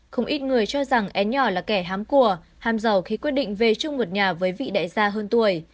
không ít người cho rằng én nhỏ là kẻ hám cùa hám giàu khi quyết định về chung một nhà với vị đại gia hơn tuổi